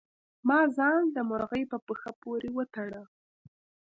ما ځان د مرغۍ په پښه پورې وتړه.